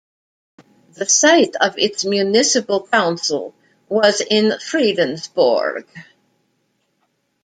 The site of its municipal council was in Fredensborg.